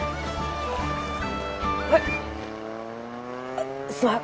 あすまん。